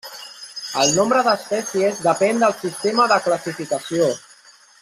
El nombre d'espècies depèn del sistema de classificació.